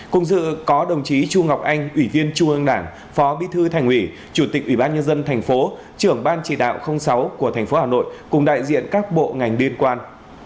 cùng dự có đồng chí chu ngọc anh ủy viên trung ương đảng phó bí thư thành hủy chủ tịch ủy ban nhân dân tp trưởng ban chỉ đạo sáu tp hà nội cùng đại diện các bộ ngành liên quan